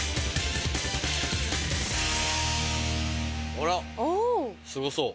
あらすごそう。